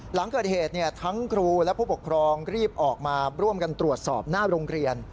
หลังเกิดเหตุทั้งครูและผู้ปกครองรีบออกมาร่วมกันตรวจสอบหน้าโรงเรียน